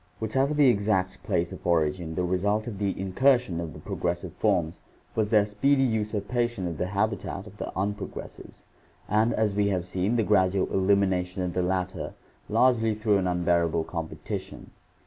Whatever the exact place of origin, the result of the incursion of the progressive forms was their speedy usurpation of the habitat of the unprogressives and, as we have seen, the gradual elimination of the latter, largely through an unbearable competition.